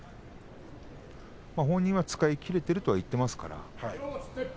本人は使いきれていると言ってますから。